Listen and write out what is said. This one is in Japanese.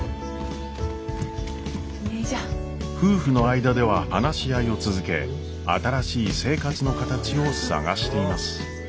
夫婦の間では話し合いを続け新しい生活の形を探しています。